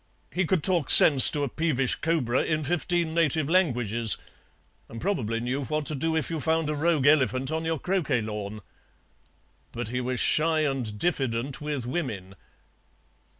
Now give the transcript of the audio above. He could talk sense to a peevish cobra in fifteen native languages, and probably knew what to do if you found a rogue elephant on your croquet lawn; but he was shy and diffident with women.